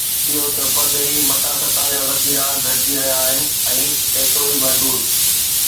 اهو ته پرڏيهي مٽاسٽا جا ذخيرا گهٽجي رهيا آهن ۽ ايترو ئي محدود